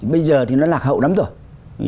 bây giờ thì nó lạc hậu lắm rồi